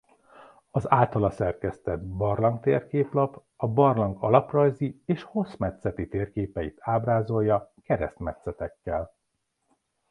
Az általa szerkesztett barlangtérkép-lap a barlang alaprajzi és hosszmetszeti térképeit ábrázolja keresztmetszetekkel.